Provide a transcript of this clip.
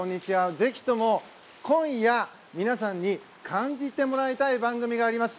ぜひとも今夜、皆さんに感じてもらいたい番組があります。